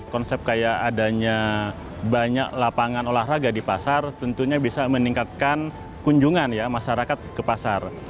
konsep kayak adanya banyak lapangan olahraga di pasar tentunya bisa meningkatkan kunjungan ya masyarakat ke pasar